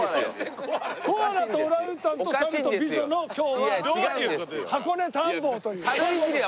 コアラとオランウータンとさると美女の今日は箱根探訪という。